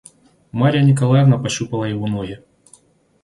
Марья Николаевна пощупала его ноги.